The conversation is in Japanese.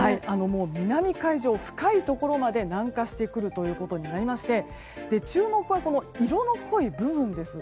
南海上深いところまで南下してくるということになりまして注目は、色の濃い部分です。